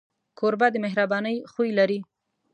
کوربه د مهربانۍ خوی لري.